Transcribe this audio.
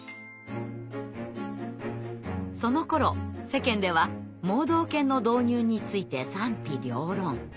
そのころ世間では盲導犬の導入について賛否両論。